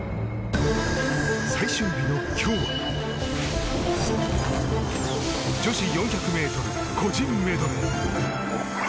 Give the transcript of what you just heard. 最終日の今日は女子４００ｍ個人メドレー。